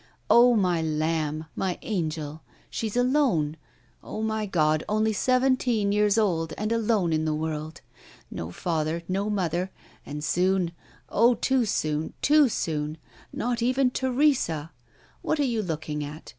Oh, my lamb! my angel! she's alone. Oh, my God, only seventeen years old, and alone in the world! No father, no mother; and soon oh, too soon, too soon not even Teresa! What are you looking at?